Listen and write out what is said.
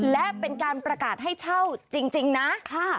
และเป็นการประกาศให้เช่าจริงนะ